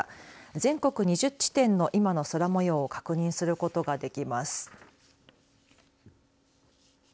全国２０地点の今の空もようを確認することができます。